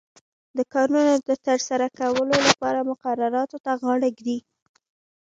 د کارونو د ترسره کولو لپاره مقرراتو ته غاړه ږدي.